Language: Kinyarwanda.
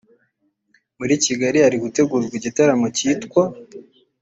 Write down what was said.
muri Kigali hari gutegurwa igitaramo cyitwa